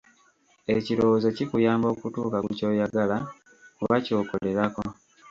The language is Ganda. Ekirowoozo kikuyamba okutuuka ku ky'oyagala, kuba ky'okolerako.